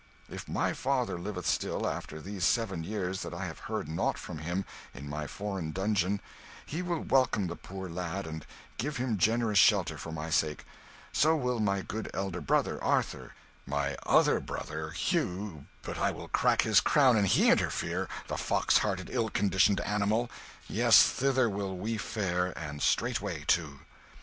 .. If my father liveth still, after these seven years that I have heard nought from home in my foreign dungeon, he will welcome the poor lad and give him generous shelter for my sake; so will my good elder brother, Arthur; my other brother, Hugh but I will crack his crown an he interfere, the fox hearted, ill conditioned animal! Yes, thither will we fare and straightway, too."